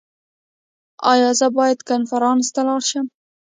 ایا زه باید کنفرانس ته لاړ شم؟